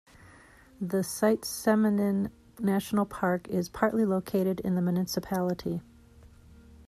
The Seitseminen national park is partly located in the municipality.